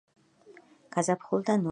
გაზაფხულდა ნუში